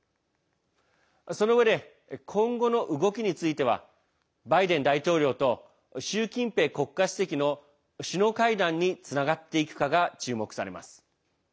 そのうえで今後の動きについてはバイデン大統領と習近平国家主席の首脳会談につながっていくかが注目されます。